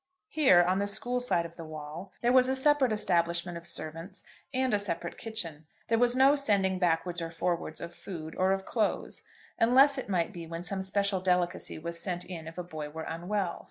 Here, on the school side of the wall, there was a separate establishment of servants, and a separate kitchen. There was no sending backwards or forwards of food or of clothes, unless it might be when some special delicacy was sent in if a boy were unwell.